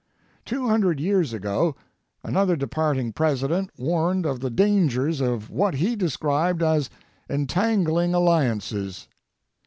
Two hundred years ago, another departing President warned of the dangers of what he described as "entangling alliances."